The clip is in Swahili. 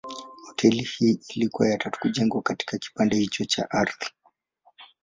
Hoteli hii ilikuwa hoteli ya tatu kujengwa katika kipande hicho cha ardhi.